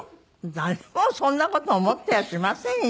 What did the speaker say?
誰もそんな事思ってやしませんよ。